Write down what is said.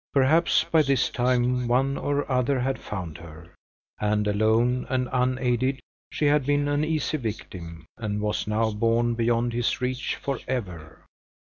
Perhaps, by this time, one or other had found her, and alone and unaided she had been an easy victim, and was now borne beyond his reach forever.